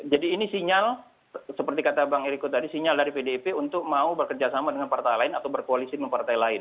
jadi ini sinyal seperti kata bang eriko tadi sinyal dari pdip untuk mau bekerjasama dengan partai lain atau berkoalisi dengan partai lain